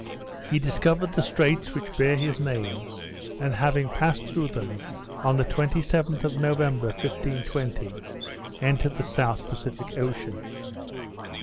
He discovered the straits which bear his name; and having passed through them, on the 27th of November, 1520, entered the South Pacific Ocean.